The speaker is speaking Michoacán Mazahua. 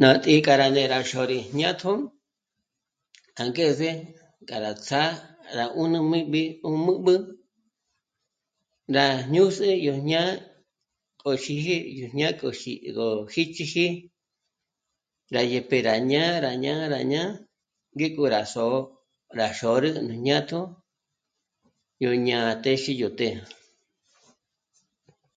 Ná tǐ'i k'a rá ndé rá xôri jñátjo angeze k'a rá ts'á rá 'ùnübi 'ú m'üb'ü rá ñûs'e yó ñá'a k'o xíji yó jñá'a k'o xíji gó xích'iji dyá ré'pé rá ñá'a, rá ñá'a, rá ñá'a ngéko rá só'o, rá xôrü nú jñátjo ñó'o ñá'a téxi yó të́'ë